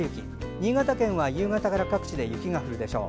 新潟県は夕方から各地で雪が降るでしょう。